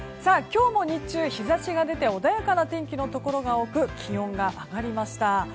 今日も日中、日差しが出て穏やかな天気のところが多く気温が上がりました。